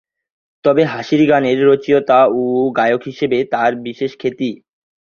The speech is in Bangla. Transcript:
তবে হাসির গানের রচয়িতা ও গায়ক হিসাবেই তার বিশেষ খ্যাতি।